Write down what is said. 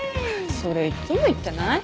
それいっつも言ってない？